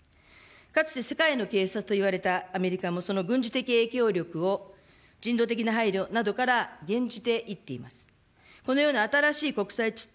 かつて世界の警察といわれたアメリカもその軍事的影響力を人道的な配慮などから減じていっています。